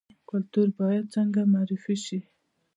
کلتور باید څنګه معرفي شي؟